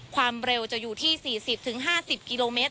ความเร็วจะอยู่ที่๔๐๕๐กิโลเมตร